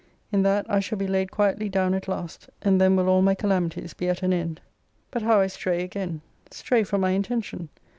In that I shall be laid quietly down at last: and then will all my calamities be at an end. But how I stray again; stray from my intention!